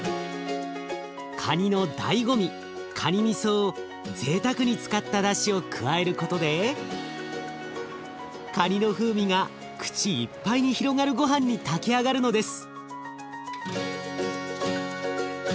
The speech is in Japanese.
かにのだいご味かにみそをぜいたくに使っただしを加えることでかにの風味が口いっぱいに広がるごはんに炊き上がるのです。